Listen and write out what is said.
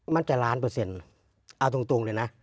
มันจะล้านเปอร์เซ็นต์เอาตรงเลยนะ